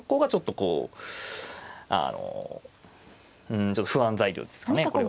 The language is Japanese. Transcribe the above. こうあのちょっと不安材料ですかねこれは。